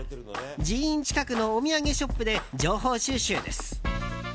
寺院近くのお土産ショップで情報収集です。